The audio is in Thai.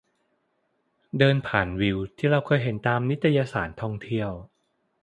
เดินผ่านวิวที่เราเคยเห็นตามนิตยสารท่องเที่ยว